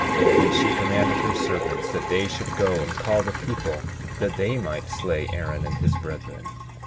And she commanded her servants that they should go and call the people, that they might slay Aaron and his brethren.